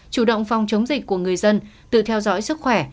chủ động phòng chống dịch của người dân tự theo dõi sức khỏe